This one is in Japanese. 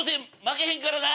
負けへんからな！